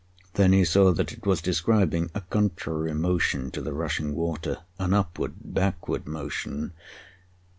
Then he saw that it was describing a contrary motion to the rushing water an upward backward motion.